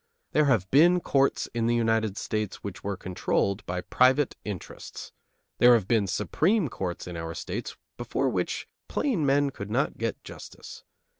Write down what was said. There have been courts in the United States which were controlled by private interests. There have been supreme courts in our states before which plain men could not get justice.